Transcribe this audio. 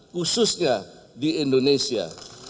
khususnya di indonesia